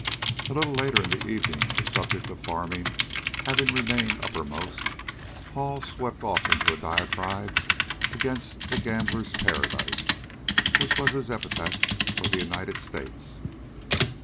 A little later in the evening, the subject of farming having remained uppermost, Hall swept off into a diatribe against the "gambler's paradise," which was his epithet for the United States.